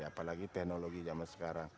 apalagi teknologi zaman sekarang